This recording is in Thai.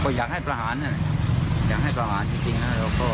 ก็อยากให้ประหารจริงนะ